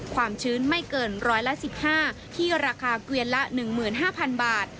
ความชื้นไม่เกินร้อยละ๑๕ที่ราคาเกวียนละ๑๕๐๐๐บาท